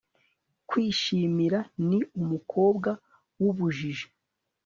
kwishimira ni umukobwa w'ubujiji